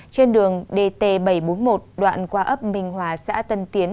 trên đường dt bảy trăm bốn mươi một đoạn qua ấp minh hòa xã tân tiến